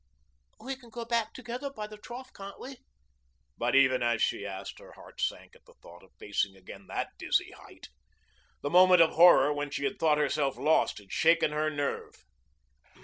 "We can go back together by the trough, can't we?" But even as she asked, her heart sank at the thought of facing again that dizzy height. The moment of horror when she had thought herself lost had shaken her nerve.